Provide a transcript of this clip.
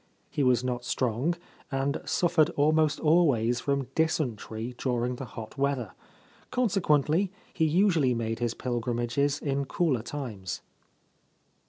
He was not strong, and suffered almost always from dysentery during the hot weather ; consequently, he usually made his pilgrimages in cooler times.